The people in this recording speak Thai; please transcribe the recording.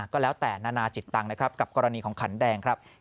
ก็แล้วแต่นานาจิตตังค์นะครับกับกรณีของขันแดงครับ